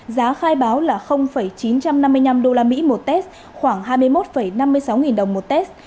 giá khai báo là chín trăm năm mươi năm usd một test khoảng hai mươi một năm mươi sáu nghìn đồng một test